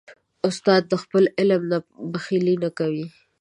استاد د خپل علم نه بخیلي نه کوي.